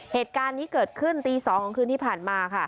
เหตุการณ์นี้เกิดขึ้นตี๒ของคืนที่ผ่านมาค่ะ